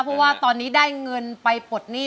เพราะว่าตอนนี้ได้เงินไปปลดหนี้